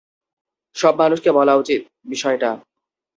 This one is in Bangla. সব মানুষকে বলা উচিত বিষয়টা!